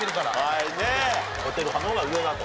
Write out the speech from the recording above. はいねっホテル派の方が上だと。